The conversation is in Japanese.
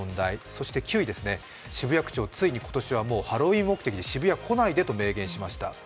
そして９位、渋谷区長、今年はハロウィーン目的で渋谷に来ないでと明言しました。